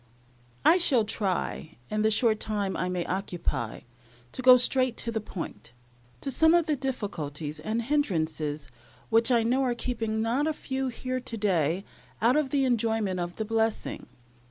I shall try, in the short time I may occupy, to go straight to the point to some of the difficulties and hindrances which I know are keeping not a few here to day out of the enjoyment of the blessing.